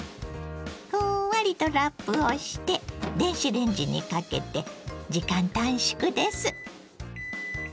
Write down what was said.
ふんわりとラップをして電子レンジにかけて時間短縮です。